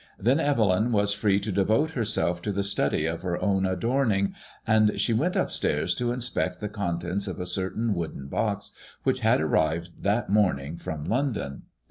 Then Evelyn was free to devote herself to the study of her own adorning, and she went upstairs to inspect the con tents of a certain wooden box which had arrived that morning from London.